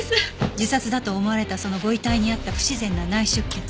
自殺だと思われたそのご遺体にあった不自然な内出血。